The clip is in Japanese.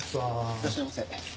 いらっしゃいませ。